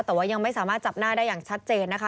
แต่ว่ายังไม่สามารถจับหน้าได้อย่างชัดเจนนะคะ